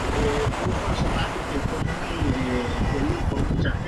Gracias a esa interpretación, Cobo obtuvo el primer Ariel al Mejor Actor Juvenil.